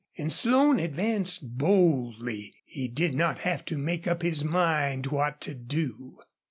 And Slone advanced boldly. He did not have to make up his mind what to do.